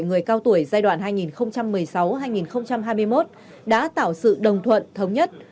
người cao tuổi giai đoạn hai nghìn một mươi sáu hai nghìn hai mươi một đã tạo sự đồng thuận thống nhất